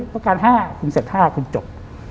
ประการ๕คุณเสร็จ๕คุณจบ